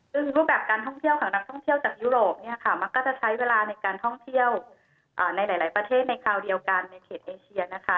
ซึ่งรูปแบบการท่องเที่ยวของนักท่องเที่ยวจากยุโรปเนี่ยค่ะมันก็จะใช้เวลาในการท่องเที่ยวในหลายประเทศในคราวเดียวกันในเขตเอเชียนะคะ